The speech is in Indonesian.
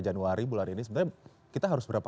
januari bulan ini sebenarnya kita harus berapa